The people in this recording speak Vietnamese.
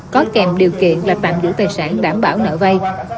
có kèm điều kiện là tạm giữ tài sản đảm bảo nợ vay